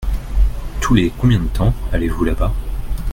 Tous les combien de temps allez-vous là-bas ?